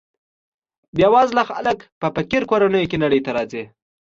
بې وزله خلک په فقیر کورنیو کې نړۍ ته راځي.